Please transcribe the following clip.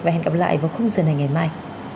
và hẹn gặp lại vào khúc dân hành ngày mai